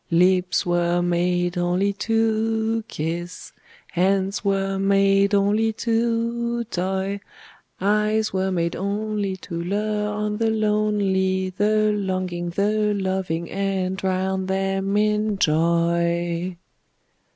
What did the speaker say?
Lips were made only to kiss; Hands were made only to toy; Eyes were made only to lure on the lonely, The longing, the loving, and drown them in joy!